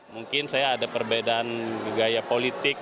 mungkin saya ada perbedaan gaya politik